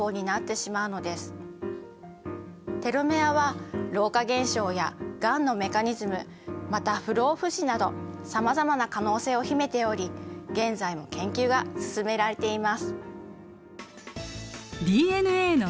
テロメアは老化現象やがんのメカニズムまた不老不死などさまざまな可能性を秘めており現在も研究が進められています。